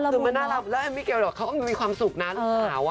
คือมันน่ารักแล้วแอมมี่เกลเขาก็มีความสุขนะลูกสาว